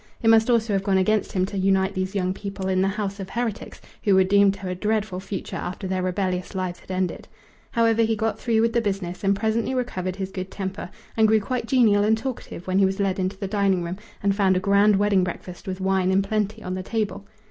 It must also have gone against him to unite these young people in the house of heretics who were doomed to a dreadful future after their rebellious lives had ended. However, he got through with the business, and presently recovered his good temper and grew quite genial and talkative when he was led into the dining room and found a grand wedding breakfast with wine in plenty on the table.